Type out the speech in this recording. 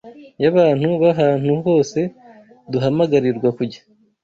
y’abantu b’ahantu hose duhamagarirwa kujya